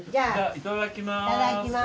いただきます。